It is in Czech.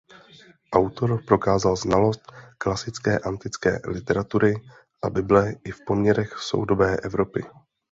Autor prokázal znalost klasické antické literatury a bible i v poměrech soudobé Evropy.